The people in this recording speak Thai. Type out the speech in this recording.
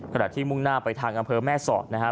ขณะที่มุ่งหน้าไปทางอำเภอแม่สอดนะครับ